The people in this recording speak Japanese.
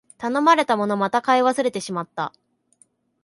頼まれたもの、また買い忘れてしまった